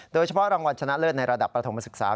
โดยเฉพาะรางวัลชนะเลิศในระดับประถมศึกษา